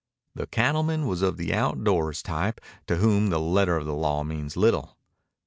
The cattleman was of the outdoors type to whom the letter of the law means little.